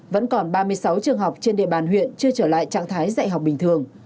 vẫn còn ba mươi sáu trường học trên địa bàn huyện chưa trở lại trạng thái dạy học bình thường